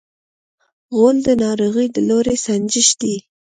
غول د ناروغۍ د لوری سنجش دی.